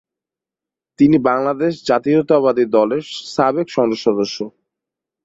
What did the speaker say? তিনি বাংলাদেশ জাতীয়তাবাদী দল এর সাবেক সংসদ সদস্য।